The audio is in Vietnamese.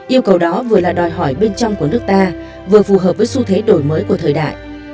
yêu cầu đó vừa là đòi hỏi bên trong của nước ta vừa phù hợp với xu thế đổi mới của thời đại